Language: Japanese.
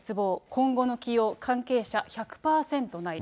今後の起用、関係者１００％ない。